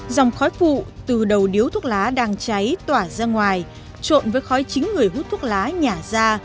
dòng khói phụ từ đầu điếu thuốc lá đang cháy tỏa ra ngoài trộn với khói chính người hút thuốc lá nhả ra